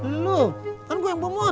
lalu kan gue yang bawa motor